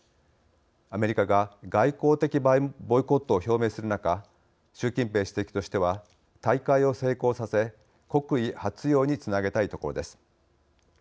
アメリカが外交的ボイコットを表明する中習近平主席としては大会を成功させ国威発揚につなげたいところです。